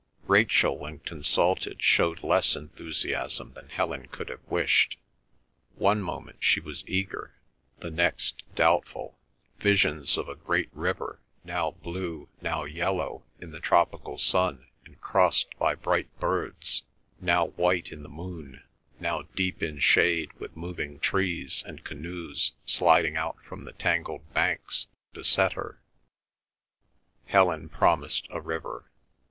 Rachel, when consulted, showed less enthusiasm than Helen could have wished. One moment she was eager, the next doubtful. Visions of a great river, now blue, now yellow in the tropical sun and crossed by bright birds, now white in the moon, now deep in shade with moving trees and canoes sliding out from the tangled banks, beset her. Helen promised a river.